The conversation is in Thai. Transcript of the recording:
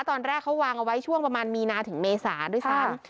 ตอนแรกเขาวางเอาไว้ช่วงประมาณมีนาถึงเมษาด้วยซ้ำ